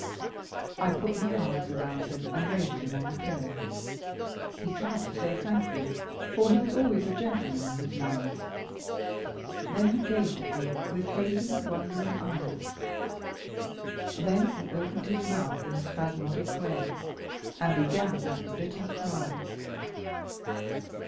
I put my arms around him, and raised him on the pillow. He tried to say 'thank you,' for he was always a gentleman in his manners; then he gazed at me with hazily wondering eyes. Then he opened his mouth in a spasmodic way, and began that bitter cry.